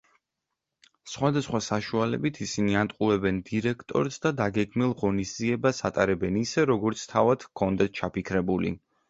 სხვადასხვა საშუალებით ისინი ატყუებენ დირექტორს და დაგეგმილ ღონისძიებას ატარებენ ისე, როგორც თავად ჰქონდათ ჩაფიქრებული.